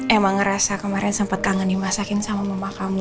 emang ngerasa kemarin sempet kangen dimasakin sama mama kamu